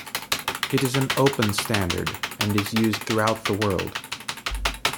It is an open standard, and is used throughout the world.